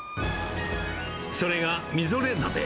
それがみぞれ鍋。